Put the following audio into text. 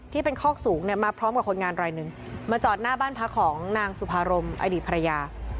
ที่เป็นคอกสูงเนี่ยมาพร้อมกับคนงานรายหนึ่งมาจอดหน้าบ้านพักของนางสุภารมอดีตภรรยา